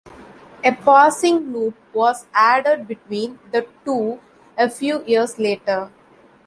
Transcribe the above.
A passing loop was added between the two a few years later.